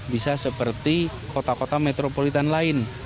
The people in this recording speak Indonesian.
bisa seperti kota kota metropolitan lain